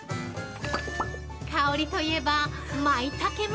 ◆香りといえば、マイタケも。